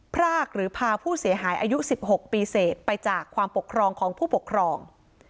พรากหรือพาผู้เสียหายอายุ๑๖ปีเสร็จไปจากความปกครองของผู้ปกครอง